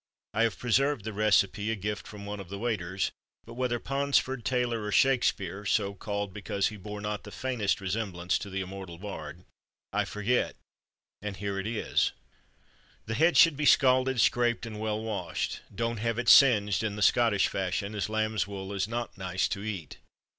I have preserved the recipe, a gift from one of the waiters but whether Ponsford, Taylor, or "Shakespeare" (so called because he bore not the faintest resemblance to the immortal bard) I forget and here it is: The head should be scalded, scraped, and well washed. Don't have it singed, in the Scottish fashion, as lamb's wool is not nice to eat.